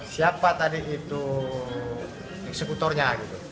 siapa tadi itu eksekutornya